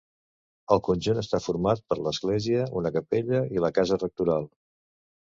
El conjunt està format per l’església, una capella i la casa rectoral.